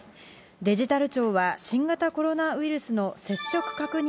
デジタル庁は新型コロナウイルスの接触確認